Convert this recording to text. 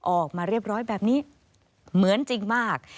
ออกมาเรียบร้อยแบบนี้เหมือนจริงมาก